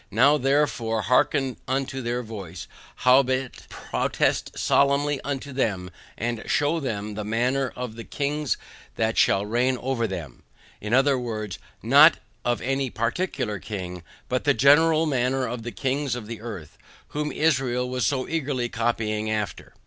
NOW THEREFORE HEARKEN UNTO THEIR VOICE, HOWBEIT, PROTEST SOLEMNLY UNTO THEM AND SHEW THEM THE MANNER OF THE KING THAT SHALL REIGN OVER THEM, I. E. not of any particular king, but the general manner of the kings of the earth, whom Israel was so eagerly copying after.